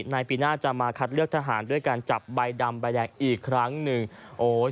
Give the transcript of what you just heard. ในปีหน้าจะมาคัดเลือกทหารด้วยการจับใบดำใบแดงอีกครั้งหนึ่งโอ้ย